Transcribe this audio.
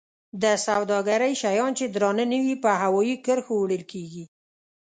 د سوداګرۍ شیان چې درانه نه وي په هوایي کرښو وړل کیږي.